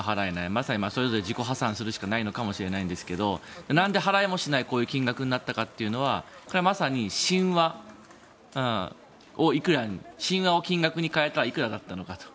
まさにそれぞれ自己破産するしかないのかもしれませんがなんで払えもしないこういう金額になったかというのはまさに神話を金額に換えたらいくらなのかと。